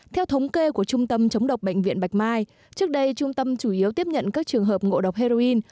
theo thống kê của trung tâm chống độc bệnh viện bạch mai trước đây trung tâm chủ yếu tiếp nhận các trường hợp ngộ độc heroin